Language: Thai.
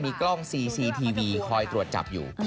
มีกล้องซีซีทีวีคอยตรวจจับอยู่